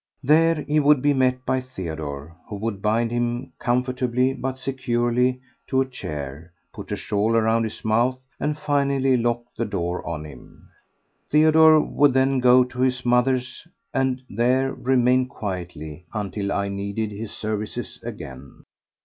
There he would be met by Theodore, who would bind him comfortably but securely to a chair, put a shawl around his mouth and finally lock the door on him. Theodore would then go to his mother's and there remain quietly until I needed his services again.